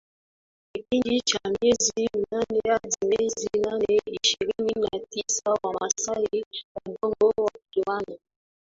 kipindi cha miezi minne hadi miezi nane ishirini na tisa Wamasai wadogo wakiwa na